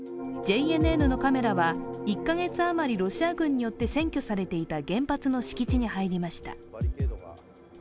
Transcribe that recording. ＪＮＮのカメラは、１カ月余りロシア軍によって占拠されていた原発の敷地に入りました。